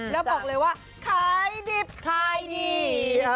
แล้วบอกเลยว่าขายดิบขายดี